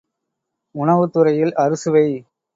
உணவுத் துறையில் அறுசுவை.